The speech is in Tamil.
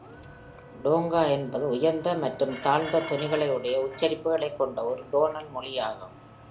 டோங்கா என்பது, உயர்ந்த மற்றும் தாழ்ந்த தொனிகளையுடைய உச்சரிப்புகளைக் கொண்ட ஒரு டோனல் மொழியாகும்.